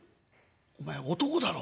お前男だろ？